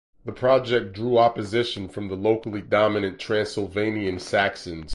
The project drew opposition from the locally dominant Transylvanian Saxons.